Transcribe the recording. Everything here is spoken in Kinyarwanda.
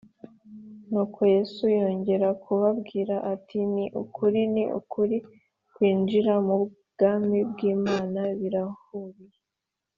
Nuko Yesu yongera kubabwira ati ni ukuri ni ukuri kwinjira mu bwami bw’imana biraruhije